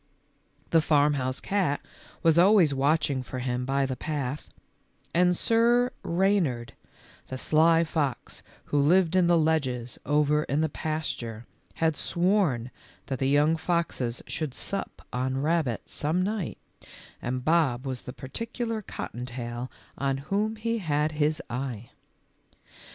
The farmhouse cat was always watching for him by the path, and Sir Reynard, the sly fox who lived in the ledges over in the pasture, had sworn that the young foxes should sup on rabbit some night, and Bob was the particular cotton tail on whom he had his eye.